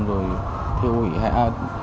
rồi thiêu hủy hẹn